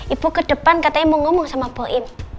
ibu kedepan katanya mau ngomong sama poin